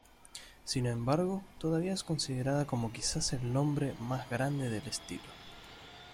Sin embargo, todavía es considerada como quizás el nombre más grande del estilo.